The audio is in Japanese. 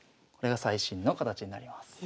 これが最新の形になります。